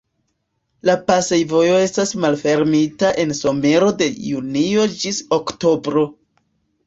La pasejvojo estas malfermita en somero de junio ĝis oktobro.